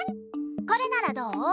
これならどう？